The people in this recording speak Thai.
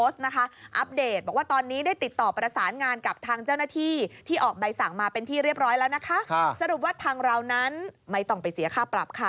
สรุปว่าทางเรานั้นไม่ต้องไปเสียค่าปรับค่ะ